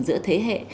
giữa thế hệ